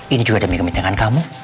ini juga demi kemenangan kamu